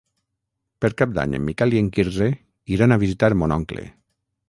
Per Cap d'Any en Miquel i en Quirze iran a visitar mon oncle.